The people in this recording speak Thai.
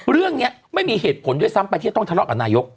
เรื่องนี้ไม่มีเหตุผลด้วยซ้ำไปที่จะต้องทะเลาะกับนายก